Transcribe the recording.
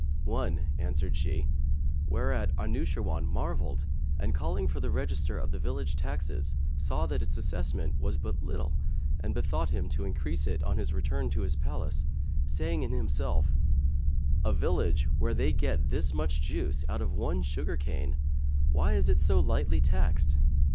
"One," answered she; whereat Anushirwan marvelled and, calling for the register of the village taxes, saw that its assessment was but little and bethought him to increase it, on his return to his palace, saying in himself, "A village where they get this much juice out of one sugar cane, why is it so lightly taxed?"